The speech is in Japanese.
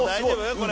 これ。